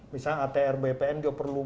misalnya atr bpn juga perlu